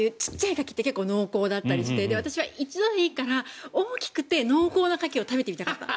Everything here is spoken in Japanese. カキって結構濃厚だったりして私は一度でいいから大きくて濃厚なカキを食べてみたかった。